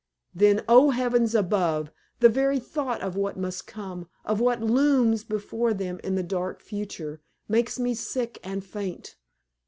Then, oh, heavens above! the very thought of what must come, of what looms up before them in the dark future, makes me sick and faint.